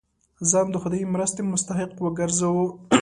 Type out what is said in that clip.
ځان د خدايي مرستې مستحق وګرځوو.